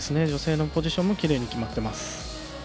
女性のポジションもきれいに決まってます。